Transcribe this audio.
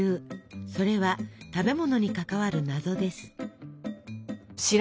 それは食べ物に関わる「謎」です。